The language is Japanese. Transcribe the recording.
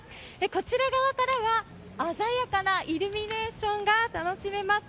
こちら側からは鮮やかなイルミネーションが楽しめます。